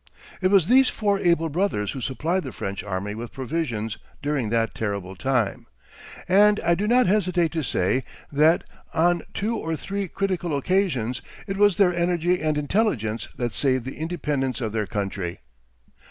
It was these four able brothers who supplied the French army with provisions during that terrible time; and I do not hesitate to say, that, on two or three critical occasions, it was their energy and intelligence that saved the independence of their country.